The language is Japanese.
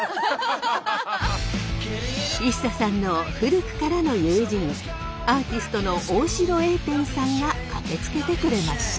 ＩＳＳＡさんの古くからの友人アーティストの大城英天さんが駆けつけてくれました。